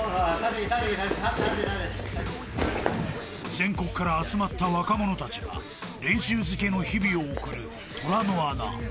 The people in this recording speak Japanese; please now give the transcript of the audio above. ［全国から集まった若者たちが練習漬けの日々を送る虎の穴］